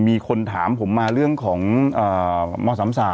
มีคนถามผมมาเรื่องของม๓๓